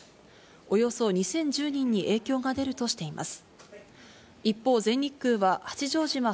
およそ２０１０人に影響が出るとしています。